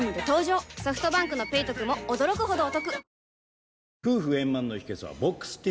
ソフトバンクの「ペイトク」も驚くほどおトク